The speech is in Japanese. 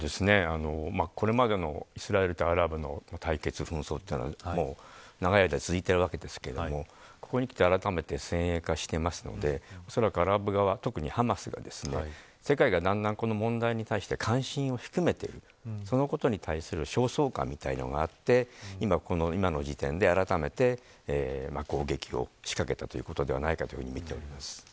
これまでのイスラエルとアラブの対決や紛争は長い間続いていますがここにきてあらためて先鋭化してますのでアラブ側の、特にハマスが世界にこの問題に関して関心を含めているということに対する焦燥感もあって今の時点で、あらためて攻撃を仕掛けたということではないかとみています。